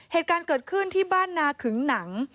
เหตุการณ์เกิดขึ้นที่บ้านนาขึงหนัง